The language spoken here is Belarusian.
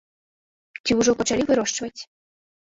Ці ўжо пачалі вырошчваць?